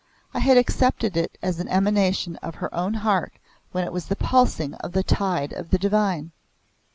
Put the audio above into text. I had accepted it as an emanation of her own heart when it was the pulsing of the tide of the Divine.